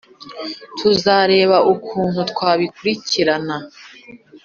Tuzareba ukuntu twabikurikirana